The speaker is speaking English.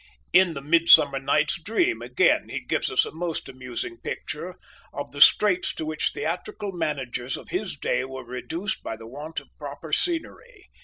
In the Midsummer Night's Dream, again, he gives us a most amusing picture of the straits to which theatrical managers of his day were reduced by the want of proper scenery.